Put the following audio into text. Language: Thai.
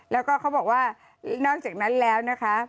แล้วก็เขาบอกว่านอกจากนั้นแล้วนะคะ